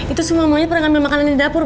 itu semua monyet pernah ngambil makanan di dapur